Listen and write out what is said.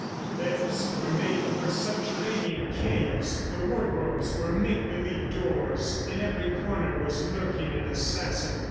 The beds were made over subterranean caves, the wardrobes were make believe doors, in every corner was lurking an assassin.